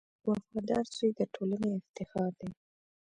• وفادار زوی د ټولنې افتخار دی.